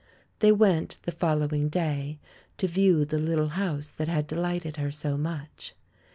They went, the following day, to view the lit tle house that had delighted her so much.